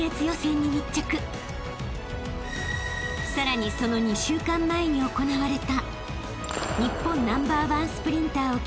［さらにその２週間前に行われた］